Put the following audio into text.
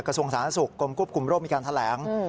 กระทรวงศาลนักศึกษ์กรมกรุปกรุมร่วมมีการแสดง